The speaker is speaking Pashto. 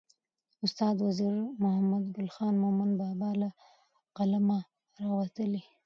استاد وزیر محمدګل خان مومند بابا له قلمه راوتلې.